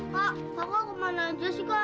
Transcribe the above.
tapi udah alih benci kak